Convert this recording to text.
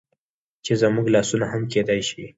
چې زموږ لاسونه هم کيدى شي